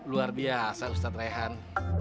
luar biasa ustadz rayhan